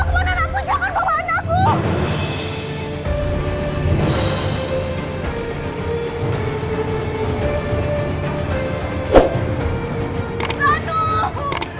coba aja harus bisa loh